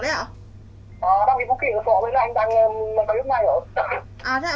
ờ năm cây phú thọ đấy là anh đang đang có lúc này ạ